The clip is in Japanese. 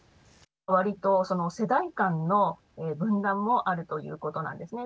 わりと、その世代間の分断もあるということなんですね。